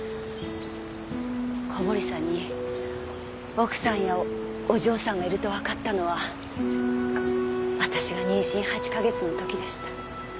小堀さんに奥さんやお嬢さんがいるとわかったのは私が妊娠８カ月の時でした。